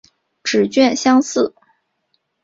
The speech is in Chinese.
指券相似。